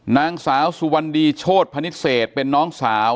นางสาวสุวรรณดีโชธพนิเศษเป็นน้องสาว